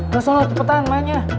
gak usah luar cepetan mainnya